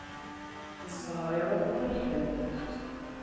Ẓẓher iruḥen ur iban.